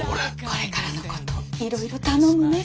これからのこといろいろ頼むね。